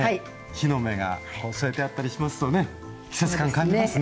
木の芽が添えてあったりしますとね季節感感じますね。